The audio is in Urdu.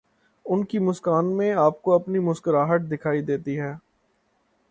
ان کی مسکان میں آپ کو اپنی مسکراہٹ دکھائی دیتی ہے۔